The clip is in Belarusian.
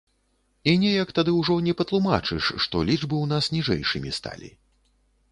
І неяк тады ўжо не патлумачыш, што лічбы ў нас ніжэйшымі сталі.